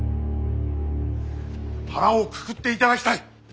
腹をくくっていただきたい。